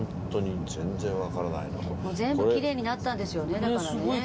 全部きれいになったんですよねだからね。